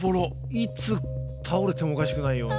いつ倒れてもおかしくないような。